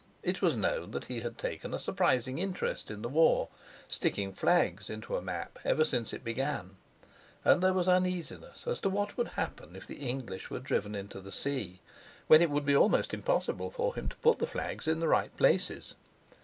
It was known that he had taken surprising interest in the war, sticking flags into a map ever since it began, and there was uneasiness as to what would happen if the English were driven into the sea, when it would be almost impossible for him to put the flags in the right places.